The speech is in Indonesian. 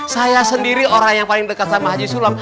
saya sendiri orang yang paling dekat sama haji sulam